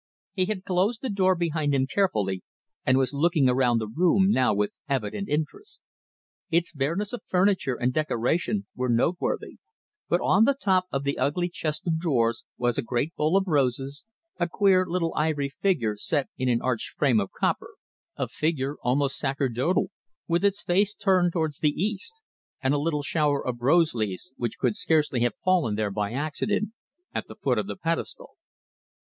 He had closed the door behind him carefully, and was looking around the room now with evident interest. Its bareness of furniture and decoration were noteworthy, but on the top of the ugly chest of drawers was a great bowl of roses, a queer little ivory figure set in an arched frame of copper a figure almost sacerdotal, with its face turned towards the east and a little shower of rose leaves, which could scarcely have fallen there by accident, at the foot of the pedestal.